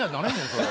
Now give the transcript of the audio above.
それ。